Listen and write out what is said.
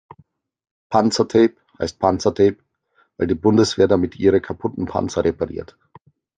Panzertape heißt Panzertape, weil die Bundeswehr damit ihre kaputten Panzer repariert.